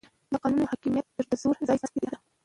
د قانون حاکمیت د زور ځای ناستی دی